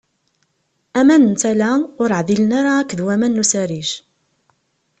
Aman n tala ur ɛdilen ara akked waman n usariǧ.